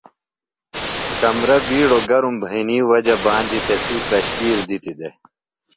کمرہ بِیڈوۡ گرم بھئینی وجہ باندیۡ تسی پرشپِیلیۡ دِتی دےۡ۔